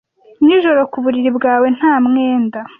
nijoro ku buriri bwawe nta mwenda